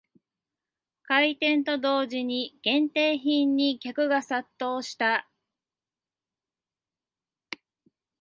開店と同時に限定品に客が殺到した